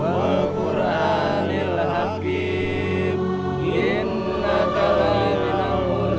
aku gak sanggup hidupkan bapak doni